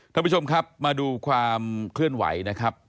ท่านผู้ชมครับมาดูความเคลื่อนไหวนะครับ